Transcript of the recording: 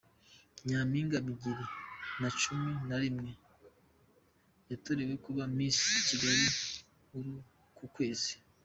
Nyaminga Bibiri Nacumi Narimwe yatorewe kuba Misi Kigali Murukukwezi